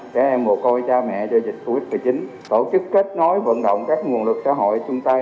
những trẻ mồ côi của cha mẹ gia dịch covid một mươi chín đều có phát triển kết nối vận động các nguồn lực xã hội chung tay